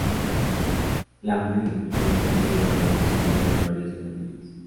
Laughlin había padecido durante su vida de varias enfermedades.